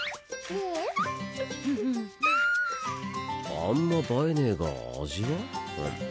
あんま映えねえが味は。